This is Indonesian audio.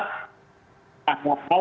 yang sifatnya kontroversial